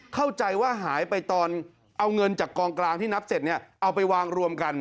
เข้าใจว่าหายไปตอนเอาเงินจากกองกลางที่นับเสร็จเนี่ยเอาไปวางรวมกัน